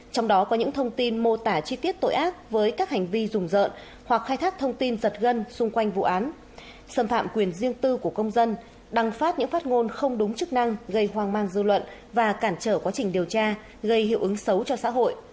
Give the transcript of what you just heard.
trong đó có những thông tin mô tả chi tiết tội ác với các hành vi rùng rợn hoặc khai thác thông tin giật gân xung quanh vụ án xâm phạm quyền riêng tư của công dân đăng phát những phát ngôn không đúng chức năng gây hoang mang dư luận và cản trở quá trình điều tra gây hiệu ứng xấu cho xã hội